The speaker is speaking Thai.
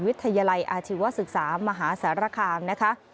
วิทยาลัยอาชีวศึกษามหาสารคามนะคะ